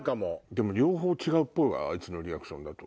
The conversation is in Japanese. でも両方違うっぽいわあいつのリアクションだと。